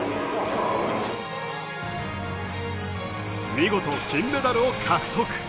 見事、金メダルを獲得。